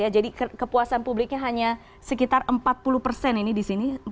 jadi kepuasan publiknya hanya sekitar empat puluh persen ini disini